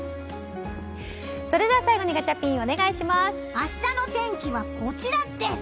それでは最後にガチャピン明日の天気は、こちらです！